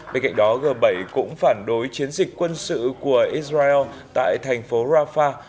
bên cạnh đó g bảy cũng phản đối chiến dịch quân sự của israel tại thành phố rafah